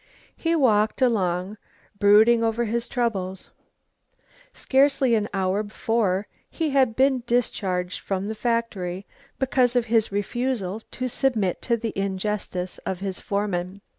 He walked along, brooding over his troubles. Scarcely an hour before he had been discharged from the factory because of his refusal to submit to the injustice of his foreman.